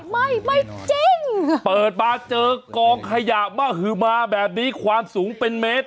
ไม่ไม่จริงเปิดมาเจอกองขยะมหือมาแบบนี้ความสูงเป็นเมตร